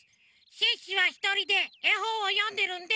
シュッシュはひとりでえほんをよんでるんで。